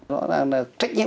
rõ ràng là trách nhiệm